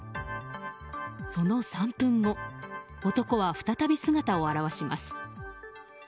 その３分後、男は再び姿を現します。